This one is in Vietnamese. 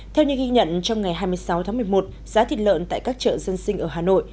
theo những ghi nhận trong ngày hai mươi sáu tháng một mươi một giá thịt lợn tại các chợ dân sinh ở hà nội